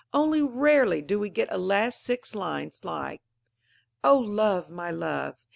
Only rarely do we get a last six lines like: O love, my love!